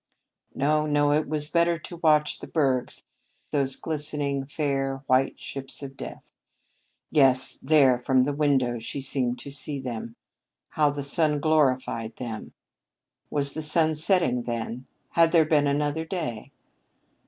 No, no, it was better to watch the bergs, those glistering, fair, white ships of death! Yes, there from the window she seemed to see them! How the sun glorified them! Was the sun setting, then? Had there been another day?